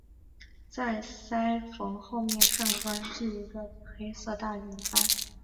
在鳃缝后面上端据一个黑色大圆斑。